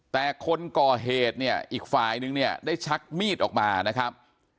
แต่คนก่อเหตุเนี่ยอีกฝ่ายนึงเนี่ยได้ชักมีดออกมานะครับ